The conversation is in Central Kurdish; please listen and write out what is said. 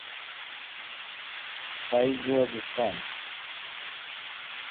پاییز بووە زستان.